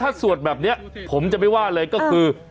ถ้าสวดแบบนี้ผมจะไม่ว่าเลยก็คือ